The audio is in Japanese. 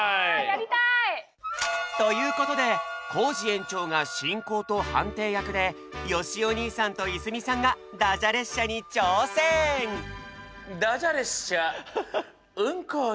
やりたい！ということでコージ園長が進行と判定役でよしお兄さんと泉さんがダジャ列車うんこういたします。